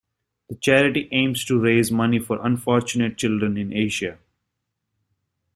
The charity aims to raise money for unfortunate children in Asia.